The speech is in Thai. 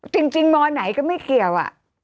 จริงศาสตร์ไหนก็ไม่เกี่ยว